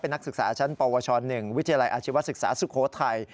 นักศึกษาชั้นปวช๑วิทยาลัยอาชีวศึกษาสุโขทัย